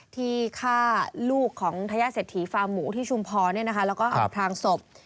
ที่ฆ่าลูกของทายาทเศรษฐีฟาหมูที่ชุมพรเนี่ยนะคะแล้วก็อาบทางศพ